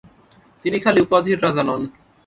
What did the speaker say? তিনি খালি উপাধির রাজা নন।